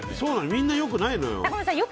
みんな良くないのよ。